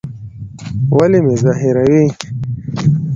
ولي مي زهيروې؟